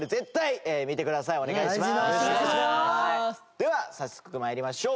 では早速参りましょう！